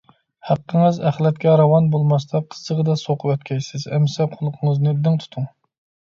ھەققىڭىز ئەخلەتكە راۋان بولماستا قىززىغىدا سوقۇۋەتكەيسىز. ئەمسە قۇلىقىڭىزنى دىڭ تۇتۇڭ: